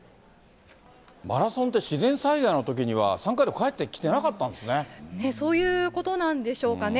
マラソンって自然災害のときには参加料返ってきてなかったんそういうことなんでしょうかね。